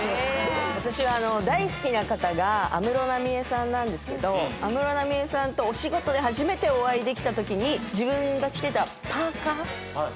私は大好きな方が安室奈美恵さんなんですが安室奈美恵さんとお仕事で初めてお会いできたときに自分が着てたパーカ。